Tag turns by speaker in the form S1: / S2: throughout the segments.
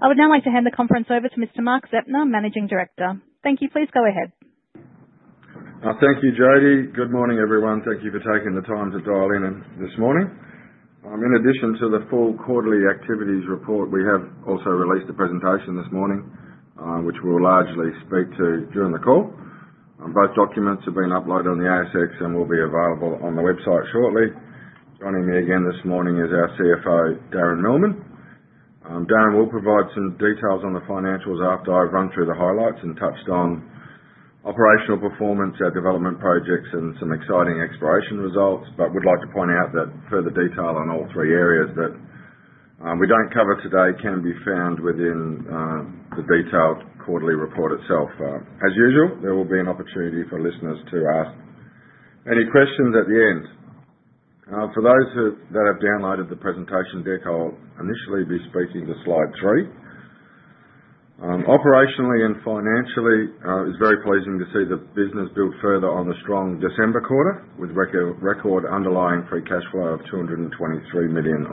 S1: I would now like to hand the conference over to Mr. Mark Zeptner, Managing Director. Thank you. Please go ahead.
S2: Thank you, Jody. Good morning, everyone. Thank you for taking the time to dial in this morning. In addition to the full quarterly activities report, we have also released a presentation this morning which we'll largely speak to during the call. Both documents have been uploaded on the ASX and will be available on the website shortly. Joining me again this morning is our CFO, Darren Millman. Darren will provide some details on the financials after I've run through the highlights and touched on operational performance, our development projects, and some exciting exploration results. I would like to point out that further detail on all three areas that we do not cover today can be found within the detailed quarterly report itself. As usual, there will be an opportunity for listeners to ask any questions at the end. For those that have downloaded the presentation deck, I'll initially be speaking to slide three. Operationally and financially, it's very pleasing to see the business build further on the strong December quarter with record underlying free cash flow of 223 million.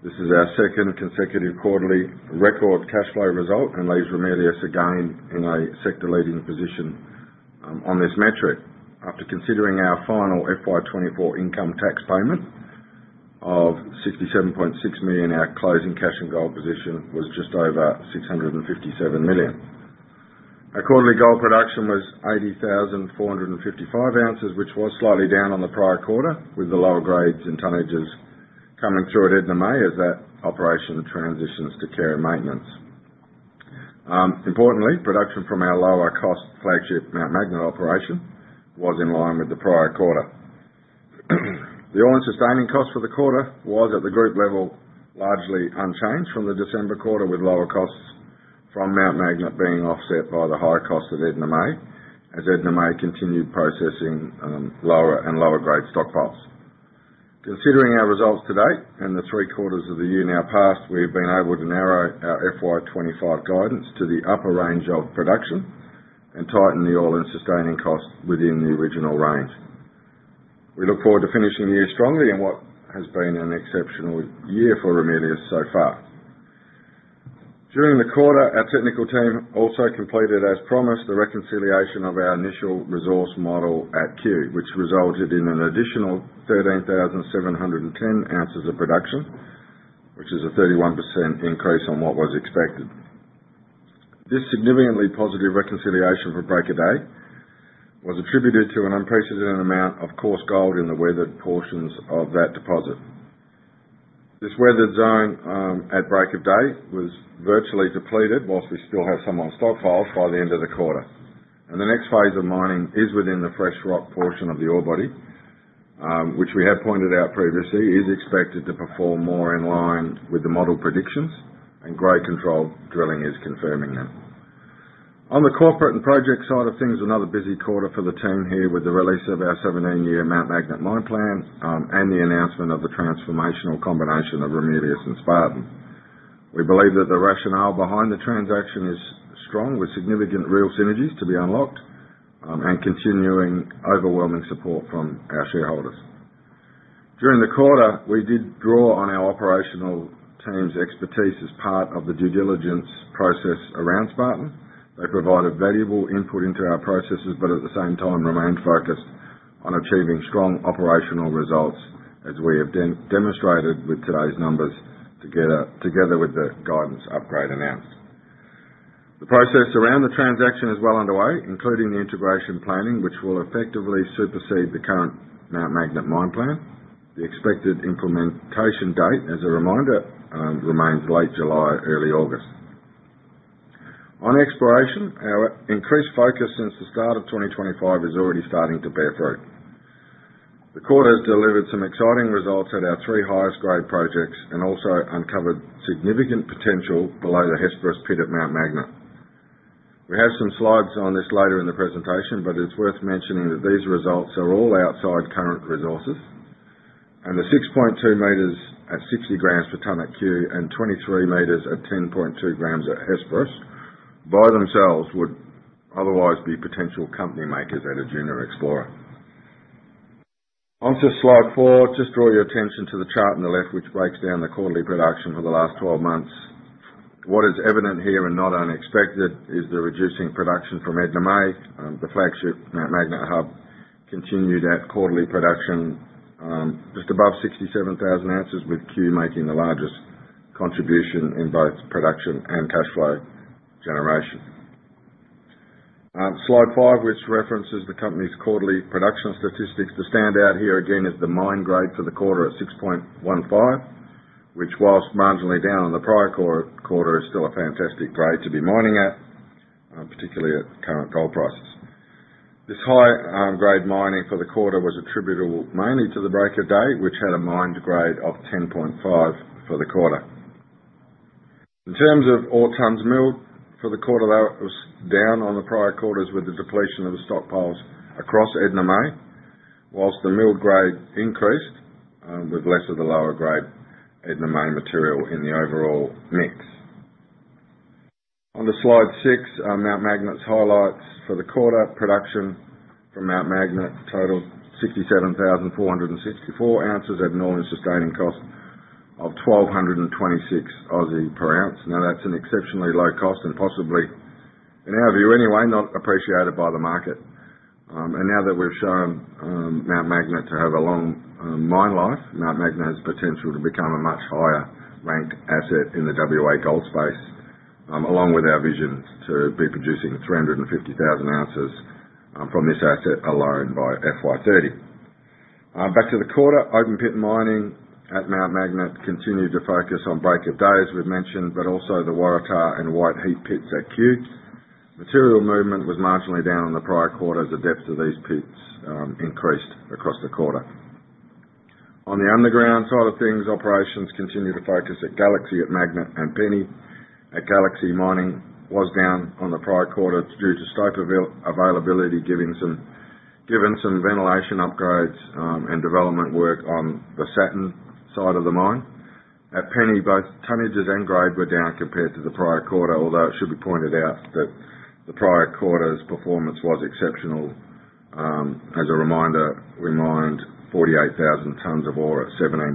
S2: This is our second consecutive quarterly record cash flow result and leaves Ramelius again in a sector-leading position on this metric. After considering our final FY2024 income tax payment of 67.6 million, our closing cash and gold position was just over 657 million. Our quarterly gold production was 80,455 ounces, which was slightly down on the prior quarter with the lower grades and tonnages coming through at Edna May as that operation transitions to care and maintenance. Importantly, production from our lower-cost flagship Mount Magnet operation was in line with the prior quarter. The all-in sustaining costs for the quarter was, at the group level, largely unchanged from the December quarter, with lower costs from Mount Magnet being offset by the higher costs at Edna May as Edna May continued processing lower and lower-grade stockpiles. Considering our results to date and the three quarters of the year now past, we've been able to narrow our FY25 guidance to the upper range of production and tighten the all-in sustaining costs within the original range. We look forward to finishing the year strongly in what has been an exceptional year for Ramelius so far. During the quarter, our technical team also completed, as promised, the reconciliation of our initial resource model at Cue, which resulted in an additional 13,710 ounces of production, which is a 31% increase on what was expected. This significantly positive reconciliation for Break of Day was attributed to an unprecedented amount of coarse gold in the weathered portions of that deposit. This weathered zone at Break of Day was virtually depleted, whilst we still have some on stockpiles by the end of the quarter. The next phase of mining is within the fresh rock portion of the ore body, which we have pointed out previously, is expected to perform more in line with the model predictions, and grade control drilling is confirming them. On the corporate and project side of things, another busy quarter for the team here with the release of our 17-year Mount Magnet mine plan and the announcement of the transformational combination of Ramelius and Spartan. We believe that the rationale behind the transaction is strong, with significant real synergies to be unlocked and continuing overwhelming support from our shareholders. During the quarter, we did draw on our operational team's expertise as part of the due diligence process around Spartan. They provided valuable input into our processes, but at the same time remained focused on achieving strong operational results as we have demonstrated with today's numbers together with the guidance upgrade announced. The process around the transaction is well underway, including the integration planning, which will effectively supersede the current Mount Magnet mine plan. The expected implementation date, as a reminder, remains late July, early August. On exploration, our increased focus since the start of 2025 is already starting to bear fruit. The quarter has delivered some exciting results at our three highest-grade projects and also uncovered significant potential below the Hesperus pit at Mount Magnet. We have some slides on this later in the presentation, but it is worth mentioning that these results are all outside current resources. The 6.2 meters at 60 grams per ton at Cue and 23 meters at 10.2 grams at Hesperus by themselves would otherwise be potential company makers at a junior explorer. Onto slide four, just draw your attention to the chart on the left, which breaks down the quarterly production for the last 12 months. What is evident here and not unexpected is the reducing production from Edna May. The flagship Mount Magnet hub continued at quarterly production just above 67,000 ounces, with Cue making the largest contribution in both production and cash flow generation. Slide five, which references the company's quarterly production statistics, the standout here again is the mine grade for the quarter at 6.15, which, whilst marginally down on the prior quarter, is still a fantastic grade to be mining at, particularly at current gold prices. This high-grade mining for the quarter was attributable mainly to the Break of Day, which had a mine grade of 10.5 for the quarter. In terms of ore tons milled for the quarter, that was down on the prior quarters with the depletion of the stockpiles across at Edna May, whilst the milled grade increased with less of the lower-grade Edna May material in the overall mix. Onto slide six, Mount Magnet's highlights for the quarter. Production from Mount Magnet totaled 67,464 ounces at an all-in sustaining cost of 1,226 per ounce. Now, that's an exceptionally low cost and possibly, in our view anyway, not appreciated by the market. Now that we have shown Mount Magnet to have a long mine life, Mount Magnet has potential to become a much higher-ranked asset in the WA gold space, along with our vision to be producing 350,000 ounces from this asset alone by FY 2030. Back to the quarter, open pit mining at Mount Magnet continued to focus on Break of Day as we have mentioned, but also the Waratah and White Heat pits at Cue. Material movement was marginally down on the prior quarter as the depths of these pits increased across the quarter. On the underground side of things, operations continue to focus at Galaxy, at Magnet, and Penny. At Galaxy, mining was down on the prior quarter due to stope availability, given some ventilation upgrades and development work on the Saturn side of the mine. At Penny, both tonnages and grade were down compared to the prior quarter, although it should be pointed out that the prior quarter's performance was exceptional. As a reminder, we mined 48,000 tons of ore at 17.8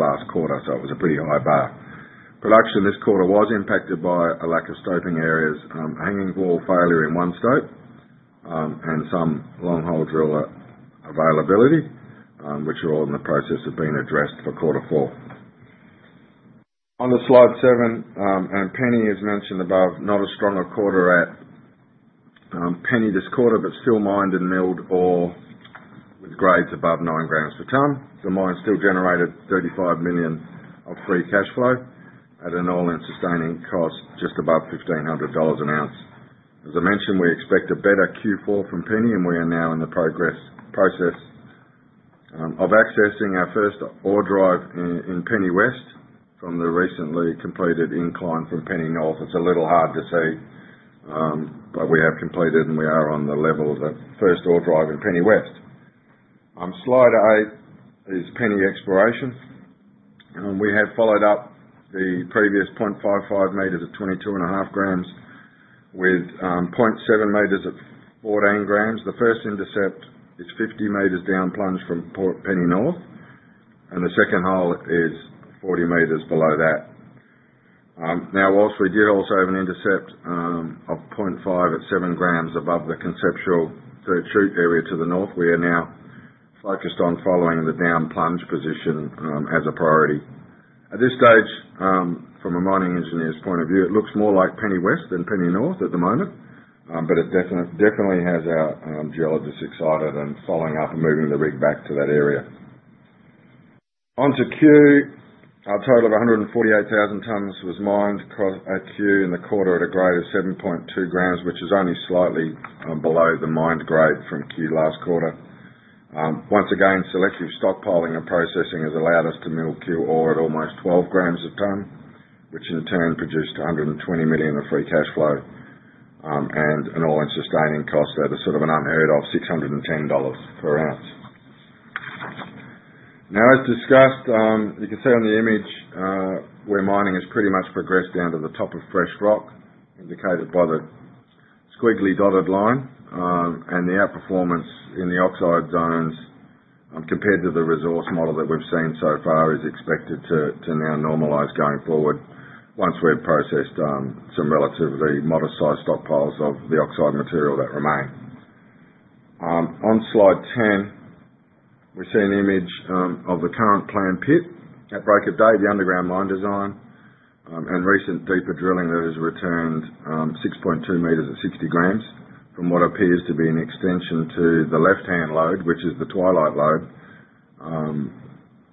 S2: last quarter, so it was a pretty high bar. Production this quarter was impacted by a lack of stoping areas, a hanging wall failure in one stope, and some long-hole drill availability, which are all in the process of being addressed for quarter four. Onto slide seven, and Penny is mentioned above, not a stronger quarter at Penny this quarter, but still mined and milled ore with grades above 9 grams per ton. The mine still generated 35 million of free cash flow at an AISC just above 1,500 dollars an ounce. As I mentioned, we expect a better Q4 from Penny, and we are now in the process of accessing our first ore drive in Penny West from the recently completed incline from Penny North. It is a little hard to see, but we have completed, and we are on the level of the first ore drive in Penny West. Slide eight is Penny exploration. We have followed up the previous 0.55 meters at 22.5 grams with 0.7 meters at 14 grams. The first intercept is 50 meters down plunge from Penny North, and the second hole is 40 meters below that. Now, whilst we did also have an intercept of 0.5 at 7 grams above the conceptual third shoot area to the north, we are now focused on following the down plunge position as a priority. At this stage, from a mining engineer's point of view, it looks more like Penny West than Penny North at the moment, but it definitely has our geologists excited and following up and moving the rig back to that area. Onto Cue, a total of 148,000 tons was mined at Cue in the quarter at a grade of 7.2 grams, which is only slightly below the mined grade from Cue last quarter. Once again, selective stockpiling and processing has allowed us to mill Cue ore at almost 12 grams a ton, which in turn produced 120 million of free cash flow and an all-in sustaining cost that is sort of an unheard of 610 dollars per ounce. Now, as discussed, you can see on the image where mining has pretty much progressed down to the top of fresh rock, indicated by the squiggly dotted line, and the outperformance in the oxide zones compared to the resource model that we've seen so far is expected to now normalize going forward once we've processed some relatively modest-sized stockpiles of the oxide material that remain. On slide 10, we see an image of the current planned pit at Break of Day, the underground mine design, and recent deeper drilling that has returned 6.2 meters at 60 grams from what appears to be an extension to the left-hand lode, which is the Twilight lode,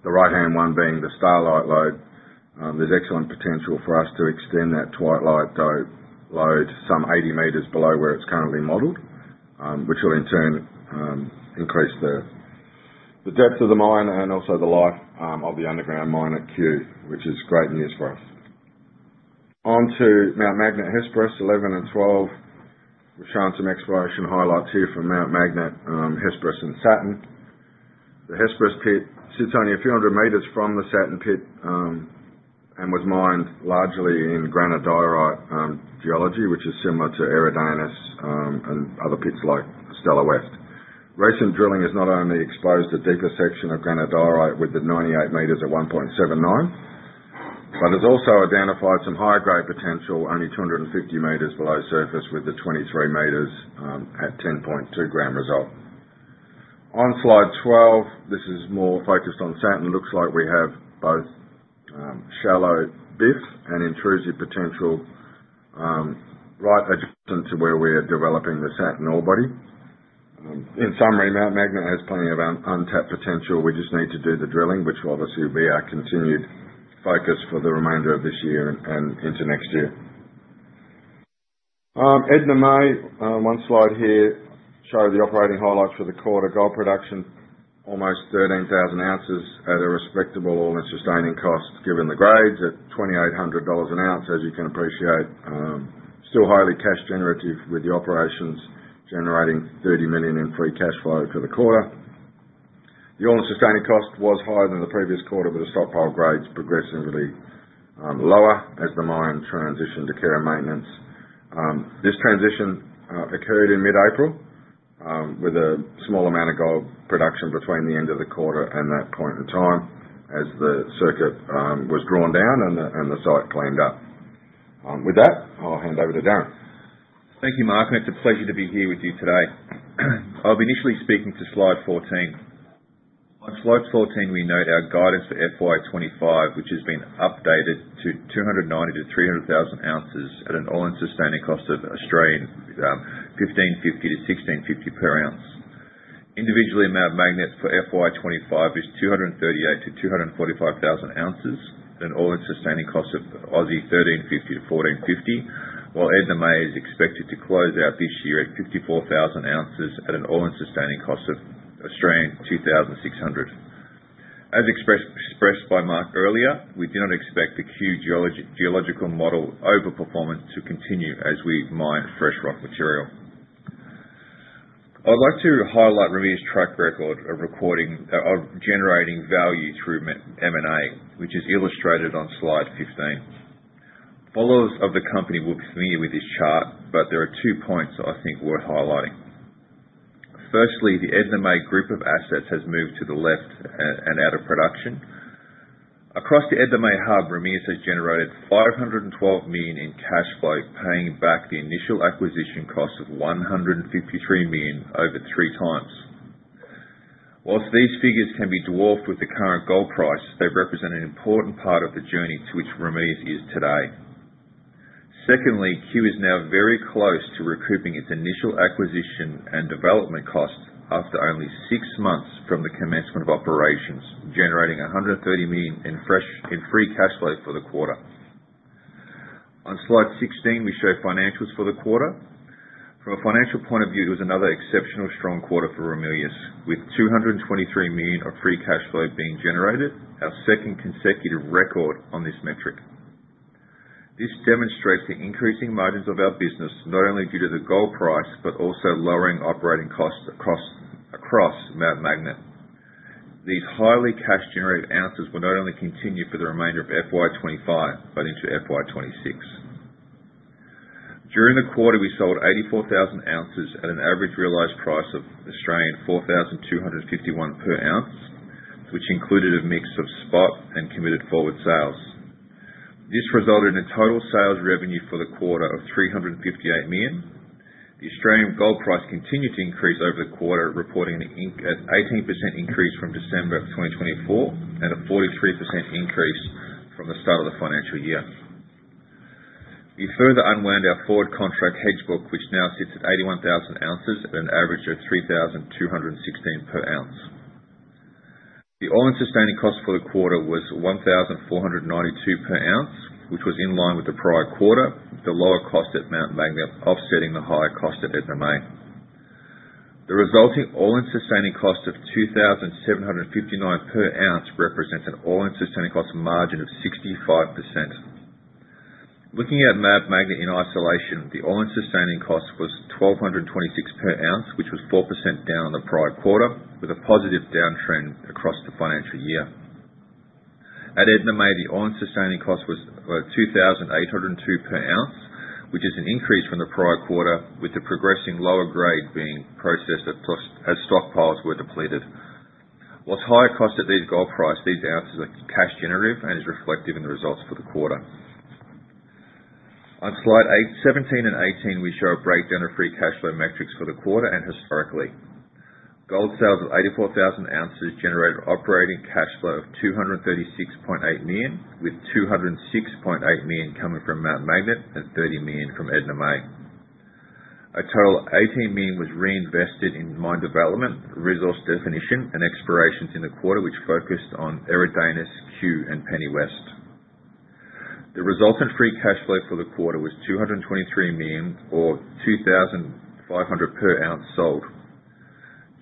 S2: the right-hand one being the Starlight lode. There's excellent potential for us to extend that Twilight lode some 80 meters below where it's currently modeled, which will in turn increase the depth of the mine and also the life of the underground mine at Cue, which is great news for us. Onto Mount Magnet Hesperus, 11 and 12, we've shown some exploration highlights here from Mount Magnet, Hesperus, and Saturn. The Hesperus pit sits only a few hundred meters from the Saturn pit and was mined largely in granodiorite geology, which is similar to Eridanus and other pits like Stellar West. Recent drilling has not only exposed a deeper section of granodiorite with the 98 meters at 1.79, but has also identified some higher-grade potential only 250 meters below surface with the 23 meters at 10.2 gram result. On slide 12, this is more focused on Saturn. Looks like we have both shallow BIF and intrusive potential right adjacent to where we are developing the Saturn ore body. In summary, Mount Magnet has plenty of untapped potential. We just need to do the drilling, which will obviously be our continued focus for the remainder of this year and into next year. At Edna May, one slide here shows the operating highlights for the quarter: gold production, almost 13,000 ounces at a respectable all-in sustaining cost given the grades at 2,800 dollars an ounce, as you can appreciate. Still highly cash generative with the operations generating 30 million in free cash flow for the quarter. The all-in sustaining cost was higher than the previous quarter, but the stockpile grades progressively lower as the mine transitioned to care and maintenance. This transition occurred in mid-April with a small amount of gold production between the end of the quarter and that point in time as the circuit was drawn down and the site cleaned up. With that, I'll hand over to Darren.
S3: Thank you, Mark. It's a pleasure to be here with you today. I'll be initially speaking to slide 14. On slide 14, we note our guidance for FY25, which has been updated to 290,000-300,000 ounces at an all-in sustaining cost of 1,550-1,650 per ounce. Individually, Mount Magnet's for FY25 is 238,000-245,000 ounces at an all-in sustaining cost of 1,350-1,450, while Edna May is expected to close out this year at 54,000 ounces at an all-in sustaining cost of 2,600. As expressed by Mark earlier, we do not expect the Cue geological model overperformance to continue as we mine fresh rock material. I'd like to highlight Ramelius' track record of generating value through M&A, which is illustrated on slide 15. Followers of the company will be familiar with this chart, but there are two points I think worth highlighting. Firstly, the Edna May group of assets has moved to the left and out of production. Across the Edna May hub, Ramelius has generated AUD 512 million in cash flow, paying back the initial acquisition cost of AUD 153 million over three times. Whilst these figures can be dwarfed with the current gold price, they represent an important part of the journey to which Ramelius is today. Secondly, Cue is now very close to recouping its initial acquisition and development costs after only six months from the commencement of operations, generating AUD 130 million in free cash flow for the quarter. On slide 16, we show financials for the quarter. From a financial point of view, it was another exceptionally strong quarter for Ramelius, with AUD 223 million of free cash flow being generated, our second consecutive record on this metric. This demonstrates the increasing margins of our business, not only due to the gold price but also lowering operating costs across Mount Magnet. These highly cash-generated ounces will not only continue for the remainder of FY2025 but into FY2026. During the quarter, we sold 84,000 ounces at an average realized price of 4,251 per ounce, which included a mix of spot and committed forward sales. This resulted in a total sales revenue for the quarter of 358 million. The Australian gold price continued to increase over the quarter, reporting an 18% increase from December of 2024 and a 43% increase from the start of the financial year. We further unwound our forward contract hedge book, which now sits at 81,000 ounces at an average of 3,216 per ounce. The all-in sustaining cost for the quarter was 1,492 per ounce, which was in line with the prior quarter, the lower cost at Mount Magnet offsetting the higher cost at Edna May. The resulting all-in sustaining cost of 2,759 per ounce represents an all-in sustaining cost margin of 65%. Looking at Mount Magnet in isolation, the all-in sustaining cost was 1,226 per ounce, which was 4% down on the prior quarter, with a positive downtrend across the financial year. At Edna May, the all-in sustaining cost was 2,802 per ounce, which is an increase from the prior quarter, with the progressively lower grade being processed as stockpiles were depleted. Whilst higher costs at these gold prices, these ounces are cash generative and are reflected in the results for the quarter. On slide 17 and 18, we show a breakdown of free cash flow metrics for the quarter and historically. Gold sales of 84,000 ounces generated operating cash flow of 236.8 million, with 206.8 million coming from Mount Magnet and 30 million from Edna May. A total of 18 million was reinvested in mine development, resource definition, and exploration in the quarter, which focused on Edna May, Cue, and Penny West. The resultant free cash flow for the quarter was 223 million or 2,500 per ounce sold.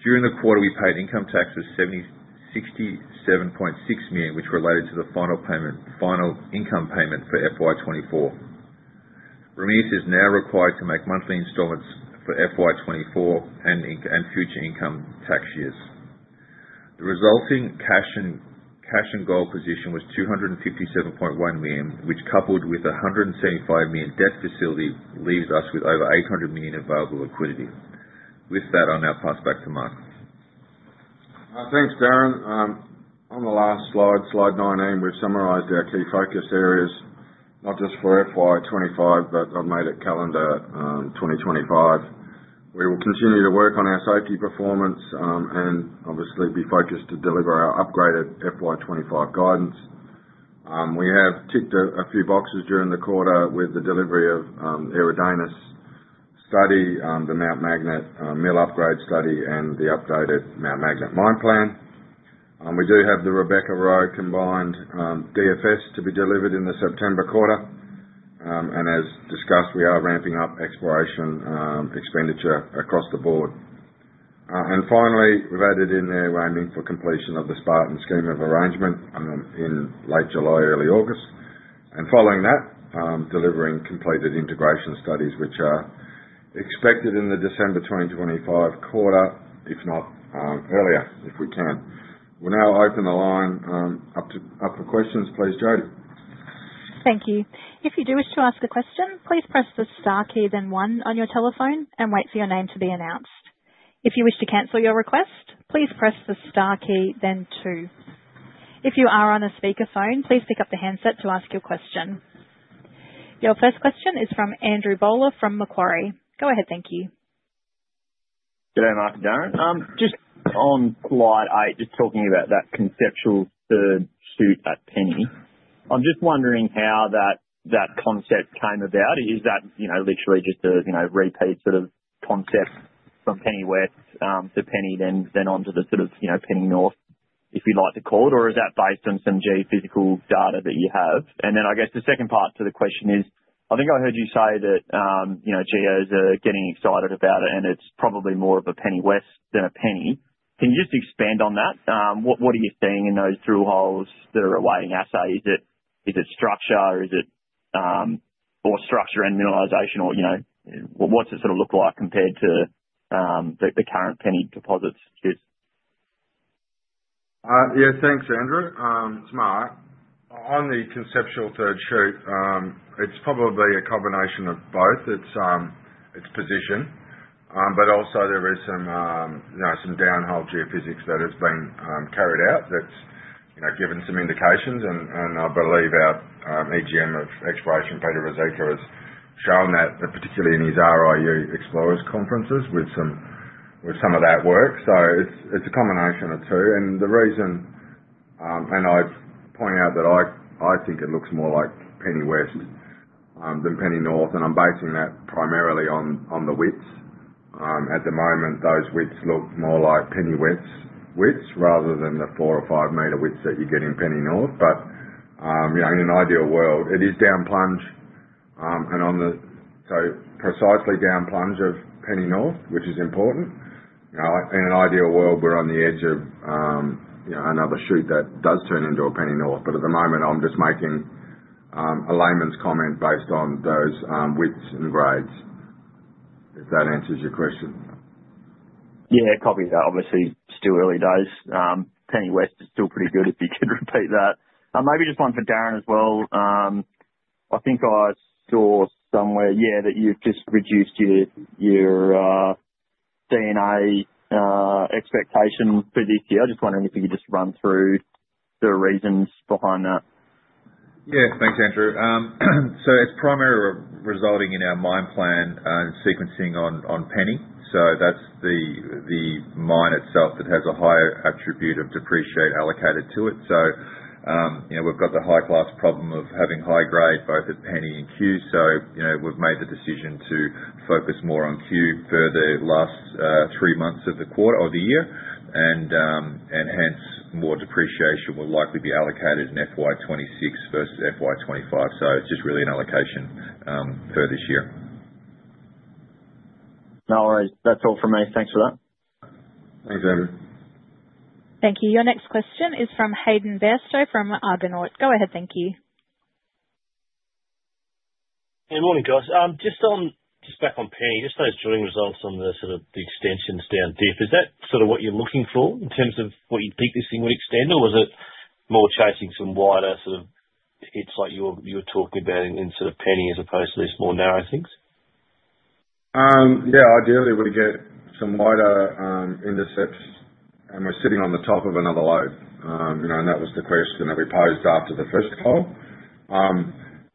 S3: During the quarter, we paid income tax of 67.6 million, which related to the final income payment for FY24. Ramelius is now required to make monthly installments for FY24 and future income tax years. The resulting cash and gold position was 257.1 million, which coupled with 175 million debt facility leaves us with over 800 million available liquidity. With that, I'll now pass back to Mark.
S2: Thanks, Darren. On the last slide, slide 19, we've summarized our key focus areas, not just for FY25, but I've made it calendar 2025. We will continue to work on our safety performance and obviously be focused to deliver our upgraded FY25 guidance. We have ticked a few boxes during the quarter with the delivery of Eridanus study, the Mount Magnet mill upgrade study, and the updated Mount Magnet mine plan. We do have the Rebecca-Roe combined DFS to be delivered in the September quarter. As discussed, we are ramping up exploration expenditure across the board. Finally, we've added in there we're aiming for completion of the Spartan scheme of arrangement in late July, early August. Following that, delivering completed integration studies, which are expected in the December 2025 quarter, if not earlier, if we can. We'll now open the line up for questions. Please, Jody.
S1: Thank you. If you do wish to ask a question, please press the star key, then one on your telephone, and wait for your name to be announced. If you wish to cancel your request, please press the star key, then two. If you are on a speakerphone, please pick up the handset to ask your question. Your first question is from Andrew Bowler from Macquarie. Go ahead. Thank you.
S4: G'day, Mark and Darren. Just on slide eight, just talking about that conceptual third shoot at Penny, I'm just wondering how that concept came about. Is that literally just a repeat sort of concept from Penny West to Penny, then onto the sort of Penny North, if you like to call it, or is that based on some geophysical data that you have? I guess the second part to the question is, I think I heard you say that geos are getting excited about it, and it's probably more of a Penny West than a Penny. Can you just expand on that? What are you seeing in those through holes that are awaiting assay? Is it structure, or is it more structure and mineralization, or what's it sort of look like compared to the current Penny deposits?
S2: Yeah, thanks, Andrew. It's Mark. On the conceptual third shoot, it's probably a combination of both. It's position, but also there is some downhole geophysics that has been carried out that's given some indications. I believe our EGM of Exploration, Peter Ruzicka, has shown that, particularly in his RIU Explorers conferences with some of that work. It's a combination of two. The reason I point out that I think it looks more like Penny West than Penny North, I'm basing that primarily on the widths. At the moment, those widths look more like Penny West widths rather than the four- or five-meter widths that you get in Penny North. In an ideal world, it is downplunge, and so precisely downplunge of Penny North, which is important. In an ideal world, we're on the edge of another shoot that does turn into a Penny North. At the moment, I'm just making a layman's comment based on those widths and grades, if that answers your question.
S5: Yeah, copy that. Obviously, still early days. Penny West is still pretty good, if you could repeat that. Maybe just one for Darren as well. I think I saw somewhere, yeah, that you've just reduced your D&A expectation for this year. I was just wondering if you could just run through the reasons behind that.
S2: Yeah, thanks, Andrew. It is primarily resulting in our mine plan sequencing on Penny. That is the mine itself that has a higher attribute of depreciate allocated to it. We have got the high-class problem of having high grade both at Penny and Cue. We have made the decision to focus more on Cue for the last three months of the year and hence more depreciation will likely be allocated in FY26 versus FY25. It is just really an allocation for this year.
S5: All right. That's all from me. Thanks for that.
S2: Thanks, Andrew.
S1: Thank you. Your next question is from Hayden Bairstow from Argonaut. Go ahead. Thank you.
S4: Hey, morning, guys. Just back on Penny, just those drilling results on the sort of the extensions down deep, is that sort of what you're looking for in terms of what you think this thing would extend, or was it more chasing some wider sort of hits like you were talking about in sort of Penny as opposed to these more narrow things?
S2: Yeah, ideally, we get some wider intercepts, and we're sitting on the top of another lode. That was the question that we posed after the first call.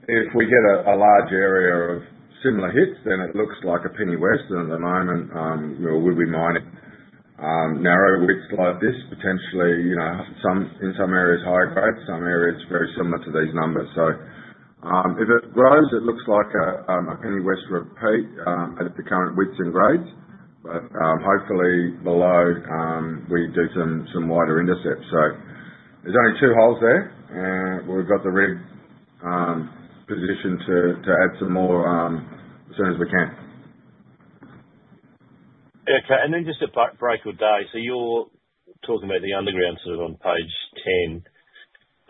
S2: If we get a large area of similar hits, then it looks like a Penny West. At the moment, we'll be mining narrow widths like this, potentially in some areas higher grade, some areas very similar to these numbers. If it grows, it looks like a Penny West repeat at the current widths and grades, but hopefully below we do some wider intercepts. There are only two holes there, and we've got the rig positioned to add some more as soon as we can.
S4: Okay. Just a break with Darren. You're talking about the underground sort of on page 10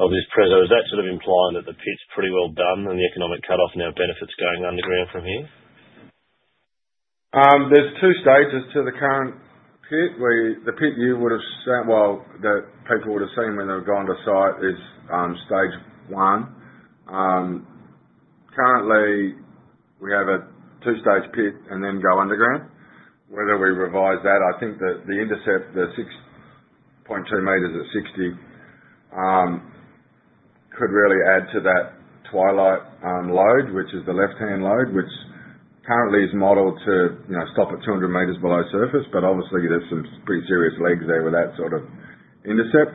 S4: of this proposal. Is that sort of implying that the pit's pretty well done and the economic cut-off now benefits going underground from here?
S2: are two stages to the current pit. The pit you would have seen when going to site is stage one. Currently, we have a two-stage pit and then go underground. Whether we revise that, I think that the intercept, the 6.2 meters at 60, could really add to that Twilight lode, which is the left-hand lode, which currently is modeled to stop at 200 meters below surface. Obviously, there are some pretty serious legs there with that sort of intercept.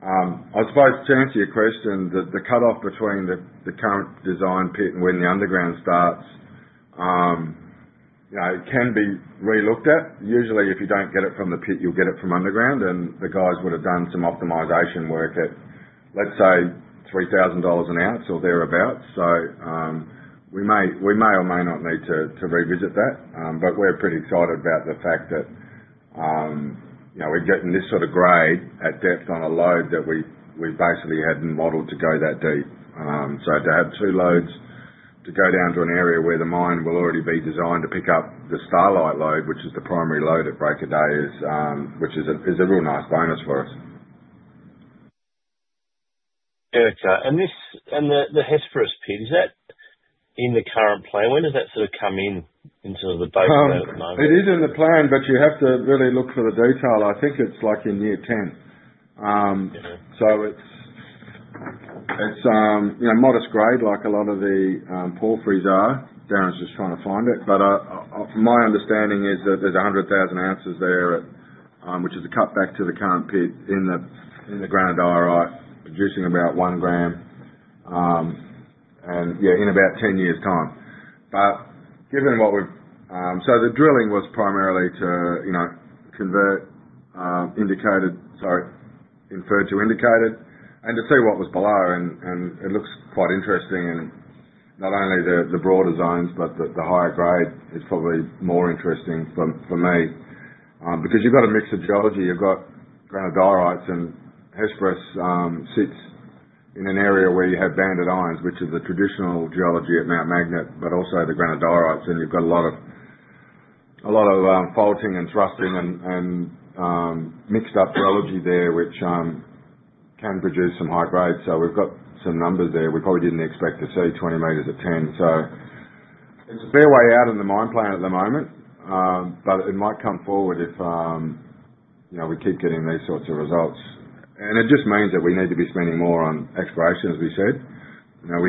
S2: I suppose to answer your question, the cut-off between the current design pit and when the underground starts can be relooked at. Usually, if you do not get it from the pit, you will get it from underground, and the guys would have done some optimization work at, let's say, 3,000 dollars an ounce or thereabouts. We may or may not need to revisit that. We are pretty excited about the fact that we are getting this sort of grade at depth on a lode that we basically had not modeled to go that deep. To have two lodes go down to an area where the mine will already be designed to pick up the Starlight lode, which is the primary lode at Break of Day, is a real nice bonus for us.
S4: Okay. The Hesperus pit, is that in the current plan? When does that sort of come in into the basement at the moment?
S2: It is in the plan, but you have to really look for the detail. I think it's like in year 10. It is modest grade, like a lot of the porphyries are. Darren's just trying to find it. My understanding is that there's 100,000 ounces there, which is a cutback to the current pit in the granodiorites, producing about one gram in about 10 years' time. Given what we've seen, the drilling was primarily to convert inferred to indicated, and to see what was below. It looks quite interesting. Not only the broader zones, but the higher grade is probably more interesting for me because you've got a mix of geology. You've got granodiorites and Hesperus sits in an area where you have banded irons, which is the traditional geology at Mount Magnet, but also the granodiorites. You have a lot of faulting and thrusting and mixed-up geology there, which can produce some high grade. We have some numbers there we probably did not expect to see, 20 meters at 10. It is a fair way out in the mine plan at the moment, but it might come forward if we keep getting these sorts of results. It just means that we need to be spending more on exploration, as we said. There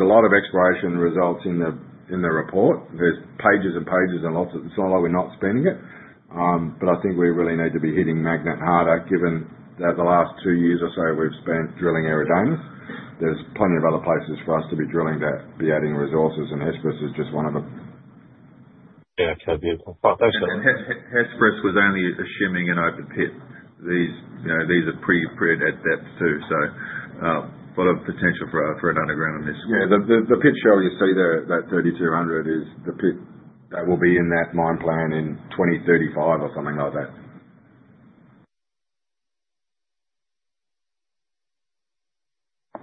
S2: are a lot of exploration results in the report. There are pages and pages and lots of it. It is not like we are not spending it. I think we really need to be hitting Magnet harder given that the last two years or so we have spent drilling Eridanus. There are plenty of other places for us to be drilling that, be adding resources, and Hesperus is just one of them.
S4: Yeah, okay. Beautiful. Thanks, Darren.
S2: Hesperus was only a shimmying and open pit. These are pretty printed at depth too. A lot of potential for an underground in this school. The pit shell you see there, that 3,200, is the pit that will be in that mine plan in 2035 or something like that.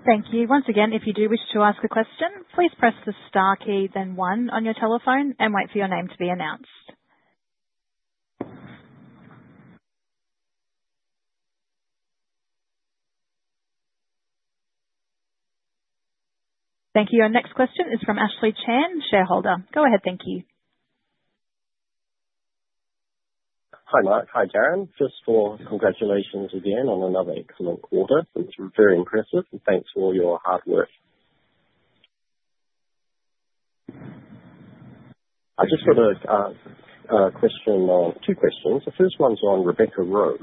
S1: Thank you. Once again, if you do wish to ask a question, please press the star key, then one on your telephone, and wait for your name to be announced. Thank you. Our next question is from Ashley Chan, shareholder. Go ahead. Thank you.
S6: Hi, Mark. Hi, Darren. Congratulations again on another excellent quarter. It's very impressive. Thanks for all your hard work. I just got a question on two questions. The first one's on Rebecca-Roe.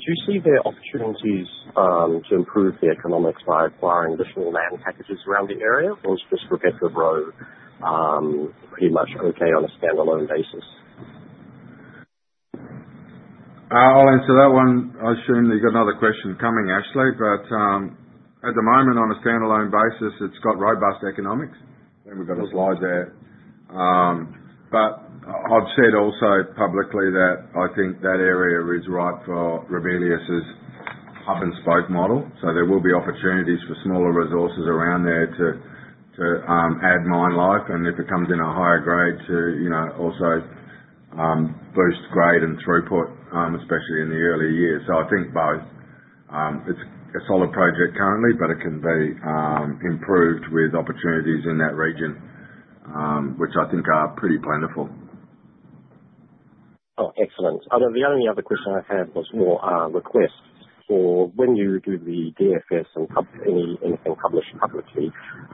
S6: Do you see there are opportunities to improve the economics by acquiring additional land packages around the area, or is just Rebecca-Roe pretty much okay on a standalone basis?
S2: I'll answer that one. I assume you've got another question coming, Ashley. At the moment, on a standalone basis, it's got robust economics. We've got a slide there. I've said also publicly that I think that area is right for Ramelius's hub-and-spoke model. There will be opportunities for smaller resources around there to add mine life. If it comes in a higher grade, to also boost grade and throughput, especially in the early years. I think both. It's a solid project currently, but it can be improved with opportunities in that region, which I think are pretty plentiful.
S6: Oh, excellent. The only other question I had was for requests for when you do the DFS and anything published publicly,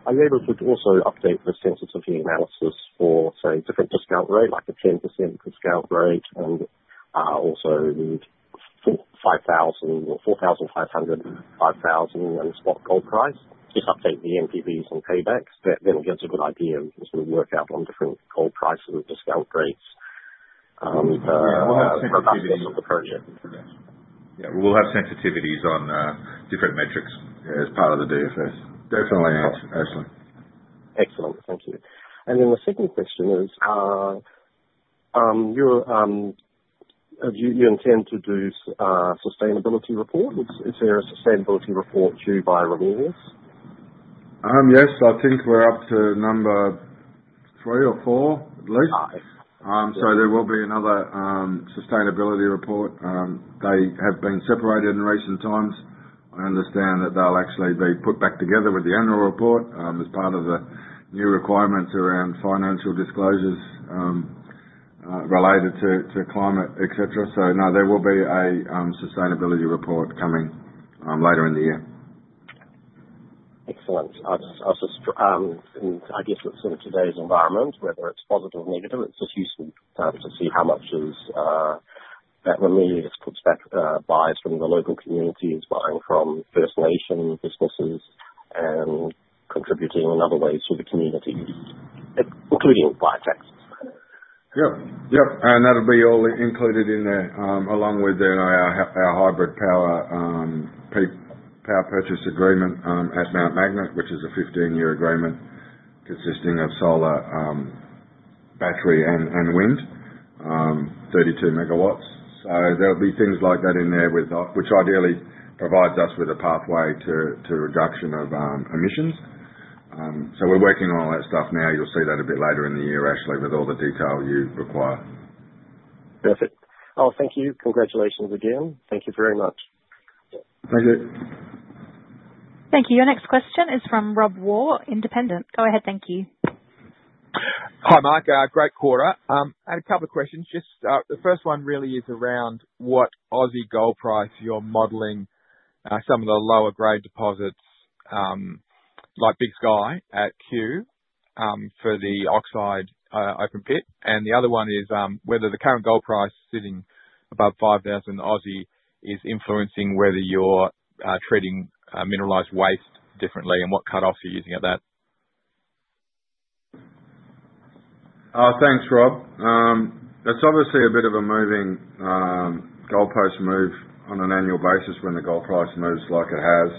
S6: are you able to also update the sensitivity analysis for, say, different discount rates, like a 10% discount rate and also 4,500, 5,000 and spot gold price? Just update the NPVs and paybacks. That then gives a good idea of what's going to work out on different gold prices and discount rates.
S2: Yeah, we'll have sensitivities on the project. Yeah, we'll have sensitivities on different metrics as part of the DFS. Definitely, Ashley.
S6: Excellent. Thank you. The second question is, do you intend to do sustainability reports? Is there a sustainability report due by Ramelius?
S2: Yes. I think we're up to number three or four, at least. There will be another sustainability report. They have been separated in recent times. I understand that they'll actually be put back together with the annual report as part of the new requirements around financial disclosures related to climate, etc. No, there will be a sustainability report coming later in the year.
S6: Excellent. I guess with sort of today's environment, whether it's positive or negative, it's just useful to see how much that Ramelius puts back, buys from the local communities, buying from First Nation businesses and contributing in other ways to the community, including via taxes.
S2: Yeah. Yep. That will be all included in there, along with our hybrid power purchase agreement at Mount Magnet, which is a 15-year agreement consisting of solar, battery, and wind, 32 megawatts. There will be things like that in there, which ideally provides us with a pathway to reduction of emissions. We are working on all that stuff now. You will see that a bit later in the year, Ashley, with all the detail you require.
S6: Perfect. Oh, thank you. Congratulations again. Thank you very much.
S2: Thank you.
S1: Thank you. Your next question is from Rob Waugh, Independent. Go ahead. Thank you.
S7: Hi, Mark. Great quarter. I had a couple of questions. The first one really is around what Aussie gold price you're modeling some of the lower-grade deposits like Big Sky at Cue for the oxide open pit. The other one is whether the current gold price sitting above 5,000 is influencing whether you're treating mineralized waste differently and what cut-offs you're using at that.
S2: Thanks, Rob. It's obviously a bit of a moving gold post move on an annual basis when the gold price moves like it has.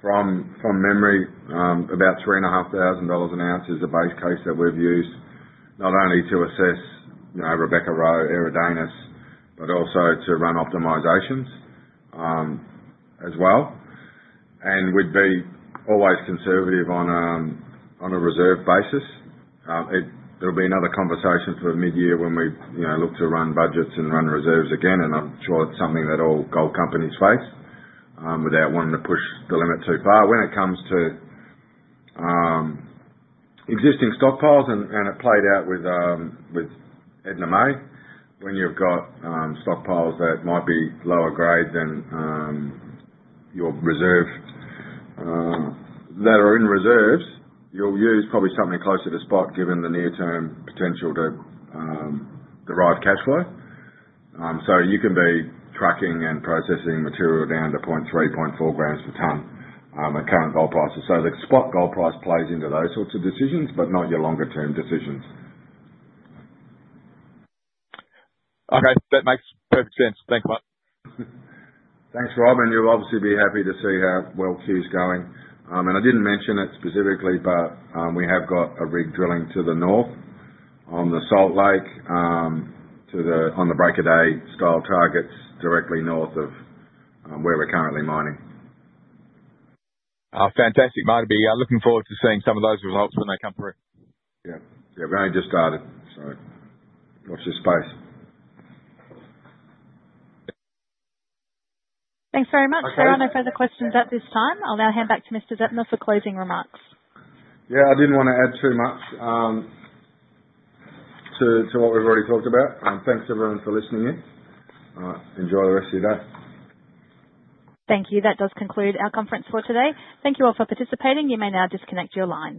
S2: From memory, about 3,500 dollars an ounce is a base case that we've used not only to assess Rebecca-Roe, Eridanus, but also to run optimizations as well. We'd be always conservative on a reserve basis. There'll be another conversation for mid-year when we look to run budgets and run reserves again. I'm sure it's something that all gold companies face without wanting to push the limit too far. When it comes to existing stockpiles, and it played out with Edna May, when you've got stockpiles that might be lower grade than your reserve that are in reserves, you'll use probably something closer to spot given the near-term potential to derive cash flow. You can be tracking and processing material down to 0.3, 0.4 grams per ton at current gold prices. The spot gold price plays into those sorts of decisions, but not your longer-term decisions.
S7: Okay. That makes perfect sense. Thanks, Mark.
S2: Thanks, Rob. You will obviously be happy to see how well Cue is going. I did not mention it specifically, but we have got a rig drilling to the north on the Salt Lake on the Break of Day style targets directly north of where we are currently mining.
S7: Fantastic. Might be looking forward to seeing some of those results when they come through.
S2: Yeah. Yeah. We've only just started, so watch this space.
S1: Thanks very much. There are no further questions at this time. I'll now hand back to Mr. Zeptner for closing remarks.
S2: Yeah. I didn't want to add too much to what we've already talked about. Thanks everyone for listening in. Enjoy the rest of your day.
S1: Thank you. That does conclude our conference for today. Thank you all for participating. You may now disconnect your line.